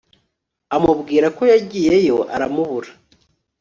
amubwira ko yagiyeyo aramubura